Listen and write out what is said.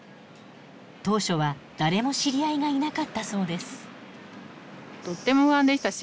当初は誰も知り合いがいなかったそうです。